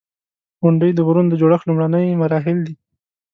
• غونډۍ د غرونو د جوړښت لومړني مراحل دي.